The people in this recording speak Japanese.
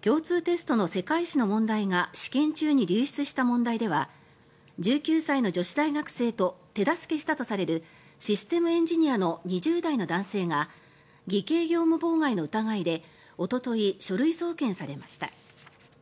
共通テストの世界史の問題が試験中に流出した問題では１９歳の女子大学生と手助けしたとされるシステムエンジニアの２０代の男性が偽計業務妨害の疑いでおととい書類送検されました。